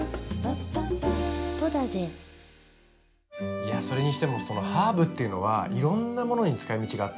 いやそれにしてもハーブっていうのはいろんなものに使いみちがあっていいですね。